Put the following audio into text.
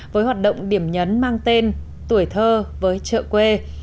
với hoạt động điểm nhấn mang tên tuổi thơ với chợ quê